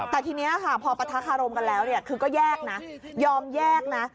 แต่ทีนี้ค่ะพอปะทะคารมกันแล้วเนี่ยคือก็แยกนะยอมแยกนะ